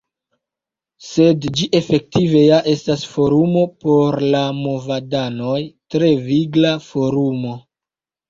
Sed ĝi efektive ja estas forumo por la movadanoj; tre vigla forumo.